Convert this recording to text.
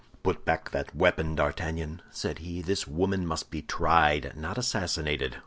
"Put back that weapon, D'Artagnan!" said he; "this woman must be tried, not assassinated.